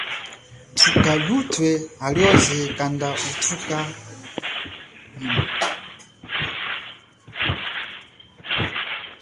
Thuka luthe halioze kanda uthuka nyima.